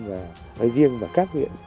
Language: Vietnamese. và riêng và các huyện